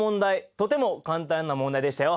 とても簡単な問題でしたよ。